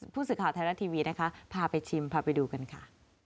ผู้สื่อข่าวไทยรัฐทีวีนะคะพาไปชิมพาไปดูกันค่ะ